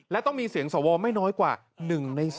และต้องมีเสียงสวไม่น้อยกว่า๑ใน๔